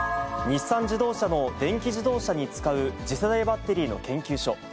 日産自動車の電気自動車に使う次世代バッテリーの研究所。